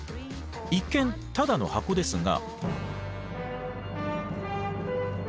一見ただの箱ですが。